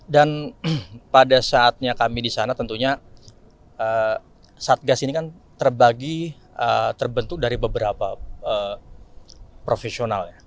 dan pada saatnya kami di sana tentunya satgas ini kan terbagi terbentuk dari beberapa profesional